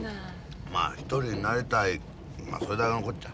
まあ一人になりたいそれだけのこっちゃ。